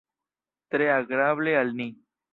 Tre agrable al ni!